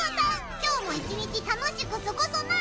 今日も一日楽しくすごそな。